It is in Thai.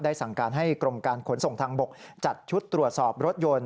สั่งการให้กรมการขนส่งทางบกจัดชุดตรวจสอบรถยนต์